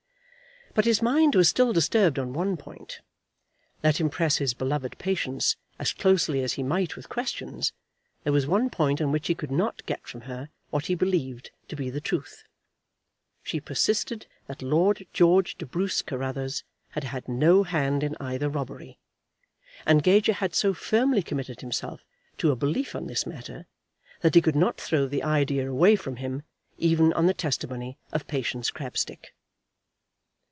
But his mind was still disturbed on one point. Let him press his beloved Patience as closely as he might with questions, there was one point on which he could not get from her what he believed to be the truth. She persisted that Lord George de Bruce Carruthers had had no hand in either robbery, and Gager had so firmly committed himself to a belief on this matter, that he could not throw the idea away from him, even on the testimony of Patience Crabstick.